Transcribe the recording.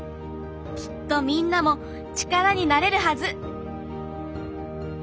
きっとみんなも力になれるはず。